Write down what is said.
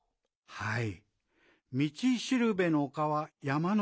「はい。